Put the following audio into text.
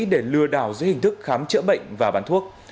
để lừa đảo dưới hình thức khám chữa bệnh và bán thuốc